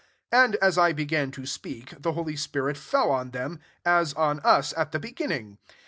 15 And as I began to ^eak, the holy spirit fell on them; as on us at the beginning.